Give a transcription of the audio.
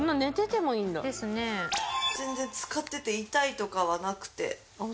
全然使ってて痛いとかはなくて。